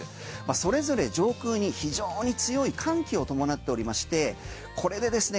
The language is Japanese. それぞれ上空に非常に強い寒気を伴っておりましてこれでですね